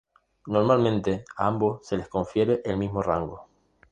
Normalmente, a ambos se les confiere el mismo rango.